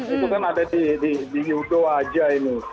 itu kan ada di yudo aja ini